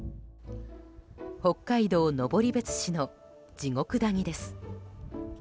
北海道登別市の地獄谷です。